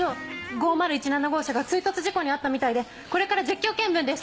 ５０１７号車が追突事故に遭ったみたいでこれから実況見分です。